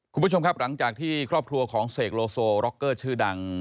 คุณผู้ชมครับหลังจากที่ครอบครัวของเสกโลโซร็อกเกอร์ชื่อดัง